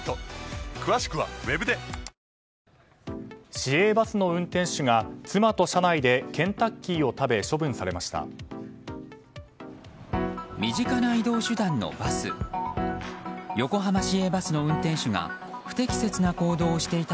市営バスの運転手が妻と車内でケンタッキーを食べ処分されました。